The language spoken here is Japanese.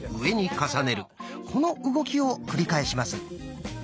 この動きを繰り返します。